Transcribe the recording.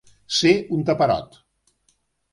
Ser un taperot.